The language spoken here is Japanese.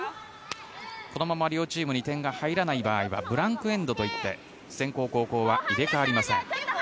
このまま両チームに点が入らない場合はブランク・エンドといって先攻、後攻は入れ替わりません。